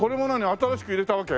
新しく入れたわけ？